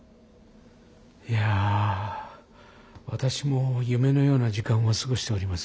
いや私も夢のような時間を過ごしております。